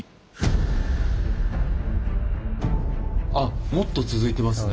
あっもっと続いてますね。